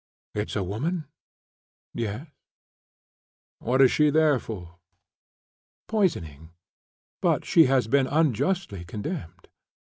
"It's a woman?" "Yes." "What is she there for?" "Poisoning, but she has been unjustly condemned."